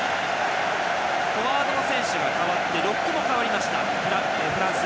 フォワードの選手とロックが代わりましたフランス。